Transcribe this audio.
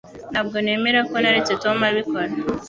Ntabwo nemera ko naretse Tom abikora